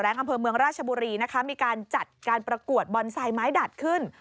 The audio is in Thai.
ทางคำเพิ่มเมืองราชบุรีมีการจัดการประกวดบอนไซต์ไม้ดัดขึ้น